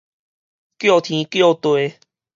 叫天叫地